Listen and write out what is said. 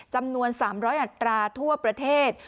จำนวน๓๐๐อัตราทั่วประเทศ